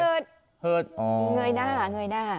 เฮิดเหนยหน้า